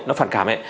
nó phản cảm